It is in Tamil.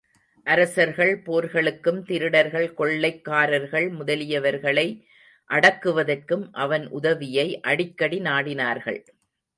அரசர்கள் போர்களுக்கும், திருடர்கள், கொள்ளைக்காரர்கள் முதலியவர்களை அடக்குவதற்கும் அவன் உதவியை அடிக்கடி நாடினார்கள்.